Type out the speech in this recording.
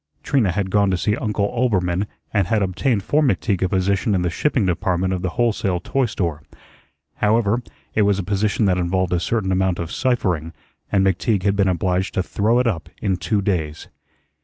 Trina had gone to see Uncle Oelbermann and had obtained for McTeague a position in the shipping department of the wholesale toy store. However, it was a position that involved a certain amount of ciphering, and McTeague had been obliged to throw it up in two days.